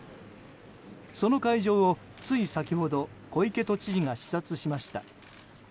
その会場をつい先ほど小池都知事が視察しました。